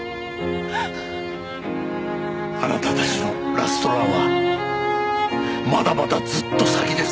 あなたたちのラストランはまだまだずっと先です。